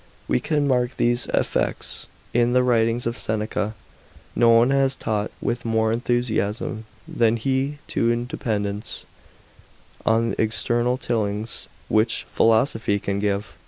We can mark these eifects in the writings of Seneca. No one has taught with more enthusiasm than he tue independence on ext rnal tilings, which philosophy can give.